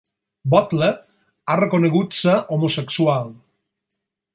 Butler ha reconegut ser homosexual.